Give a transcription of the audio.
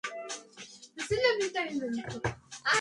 Fue precedida por "Journal of the Asiatic Society of Bengal".